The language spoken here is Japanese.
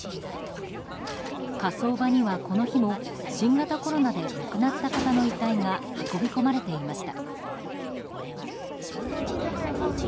火葬場にはこの日も新型コロナで亡くなった方の遺体が運び込まれていました。